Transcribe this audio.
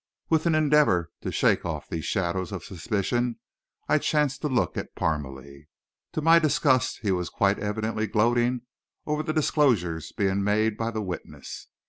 With an endeavor to shake off these shadows of suspicion, I chanced to look at Parmalee. To my disgust, he was quite evidently gloating over the disclosures being made by the witness.